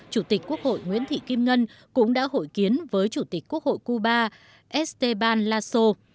chủ tịch quốc hội nguyễn thị kim ngân cũng đã hội kiến với chủ tịch quốc hội cuba esteban laso